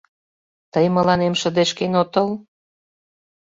Тый мыланем шыдешкен отыл?